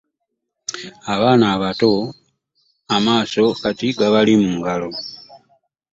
Abaana abato amaaso kati gabali mu ngalo!